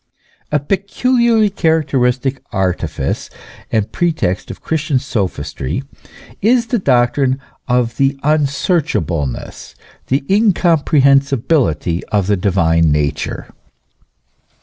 A peculiarly characteristic artifice and pretext of Christian sophistry is the doctrine of the unsearchableness, the in comprehensibility of the divine nature.